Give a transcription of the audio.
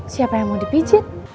siapa yang mau dipijat